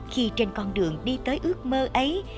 khi trên con đường đi tới ước mơ ấy